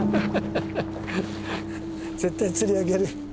絶対釣り上げる。